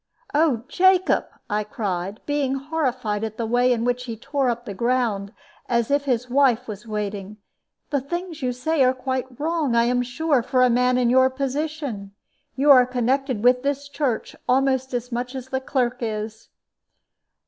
"Oh, Jacob!" I cried, being horrified at the way in which he tore up the ground, as if his wife was waiting, "the things you say are quite wrong, I am sure, for a man in your position. You are connected with this church almost as much as the clerk is."